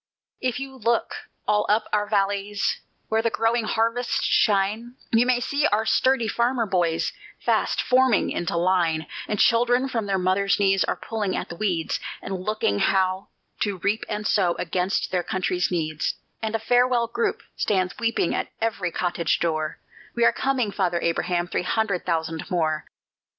If you look all up our valleys where the growing harvests shine, You may see our sturdy farmer boys fast forming into line; And children from their mother's knees are pulling at the weeds, And learning how to reap and sow against their country's needs; And a farewell group stands weeping at every cottage door: We are coming, Father Abraham, three hundred thousand more!